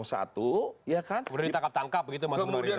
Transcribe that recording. kemudian ditangkap tangkap begitu mas nuris